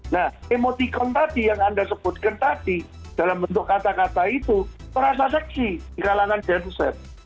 nah emoticon tadi yang anda sebutkan tadi dalam bentuk kata kata itu terasa seksi di kalangan densus